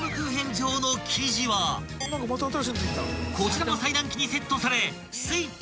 状の生地はこちらの裁断機にセットされ］